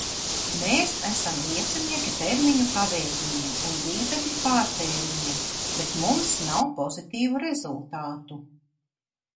Mēs esam liecinieki termiņu kavējumiem un līdzekļu pārtēriņiem, bet mums nav pozitīvu rezultātu.